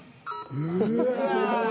うわ。